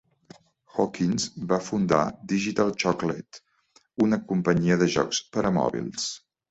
Hawkins va fundar Digital Chocolate, una companyia de jocs per a mòbils.